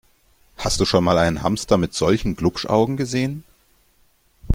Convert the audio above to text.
Hast du schon mal einen Hamster mit solchen Glupschaugen gesehen?